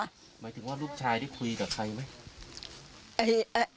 หมายถึงว่าลูกชายได้คุยกับใครไหม